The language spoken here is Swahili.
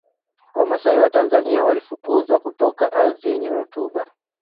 Wamasai wa Tanzania walifukuzwa kutoka ardhi yenye rutuba